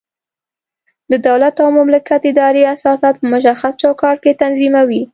د دولت او مملکت ادارې اساسات په مشخص چوکاټ کې تنظیموي.